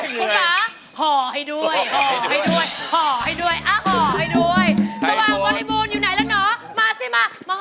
น่ารัก